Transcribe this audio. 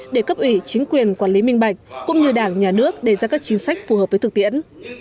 để cấp ủy chính quyền quản lý minh bạch cũng như đảng nhà nước đề ra các chính sách phù hợp với thực tiễn